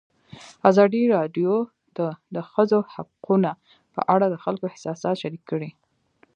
ازادي راډیو د د ښځو حقونه په اړه د خلکو احساسات شریک کړي.